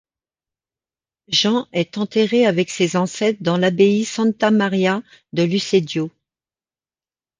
Jean est enterré avec ses ancêtres dans l'abbaye Santa Maria de Lucedio.